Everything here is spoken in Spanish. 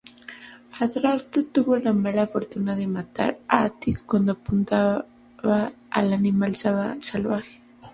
Adrasto tuvo la mala fortuna de matar a Atis cuando apuntaba al animal salvaje.